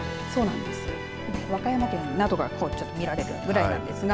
和歌山県などが見られるぐらいなんですが。